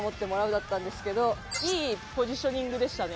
いいポジショニングでしたね。